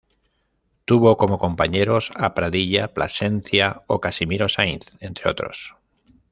Tuvo como compañeros a Pradilla, Plasencia o Casimiro Sainz, entre otros.